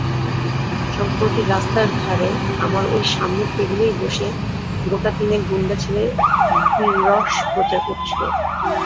সম্প্রতি রাস্তার ধারে আমার ওই সামনের টেবিলেই বসে গোটাতিনেক গুণ্ডা ছেলে বীররস প্রচার করছিল।